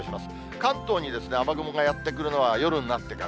関東に雨雲がやって来るのは夜になってから。